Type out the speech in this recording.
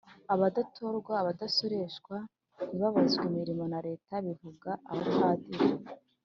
Abadatorwa: abadasoreshwa, ntibabazwe imirimo na Leta; bivuga Abapadir.